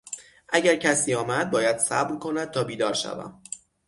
اگر کسی آمد باید صبر کند تا بیدار شوم.